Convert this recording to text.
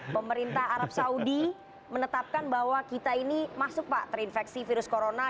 pemerintah arab saudi menetapkan bahwa kita ini masuk pak terinfeksi virus corona